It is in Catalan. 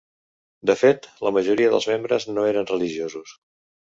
De fet la majoria dels membres no eren religiosos.